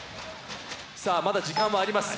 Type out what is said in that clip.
さあまだ時間はあります。